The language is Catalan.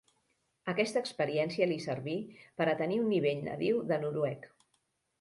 Aquesta experiència li serví per a tenir un nivell nadiu de noruec.